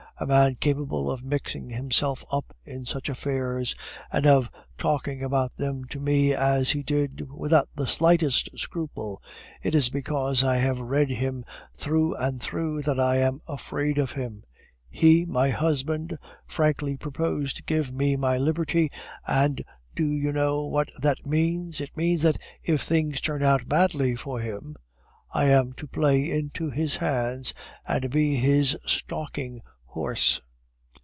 A man capable of mixing himself up in such affairs, and of talking about them to me as he did, without the slightest scruple, it is because I have read him through and through that I am afraid of him. He, my husband, frankly proposed to give me my liberty, and do you know what that means? It means that if things turn out badly for him, I am to play into his hands, and be his stalking horse."